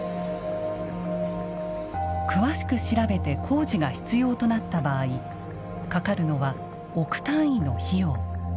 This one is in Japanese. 詳しく調べて工事が必要となった場合かかるのは億単位の費用。